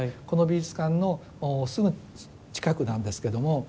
この美術館のすぐ近くなんですけども。